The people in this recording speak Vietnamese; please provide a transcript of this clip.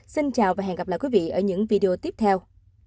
xin chào và hẹn gặp lại quý vị ở những video tiếp theo